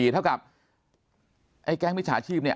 เท่ากับไอ้แก๊งมิจฉาชีพเนี่ย